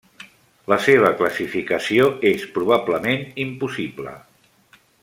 La seva classificació és probablement impossible.